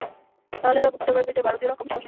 তাহলে ওরা বুঝতে পারবে যে ভারতীয়রাও কম সাহসী নয়।